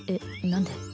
何で？